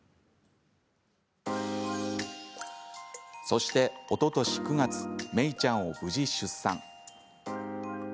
そして、おととし９月めいちゃんを無事出産。